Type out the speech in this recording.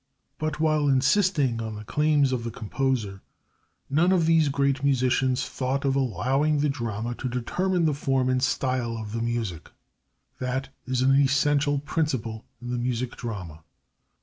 But, while insisting on the claims of the composer, none of these great musicians thought of allowing the drama to determine the form and style of the music. That is an essential principle in the Music Drama.